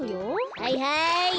はいはい。